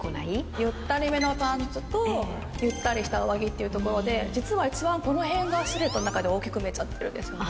ゆったりめのパンツとゆったりした上着というところで実は一番この辺がシルエットの中で大きく見えちゃってるんですね。